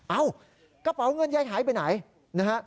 เอ้ากระเป๋าเงินยายหายไปไหนนะฮะ